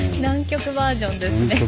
南極バージョンですね。